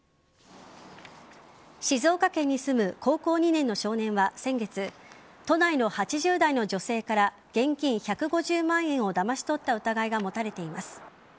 静岡県に住む高校２年の少年は先月都内の８０代の女性から現金１５０万円をだまし取った疑いが持たれています。